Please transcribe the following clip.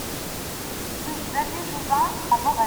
Rue Xavier Jouvin à Voreppe